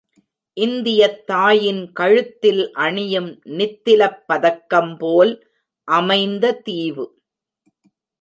இந்தியத் தாயின் கழுத்தில் அணியும் நித்திலப் பதக்கம்போல் அமைந்த தீவு.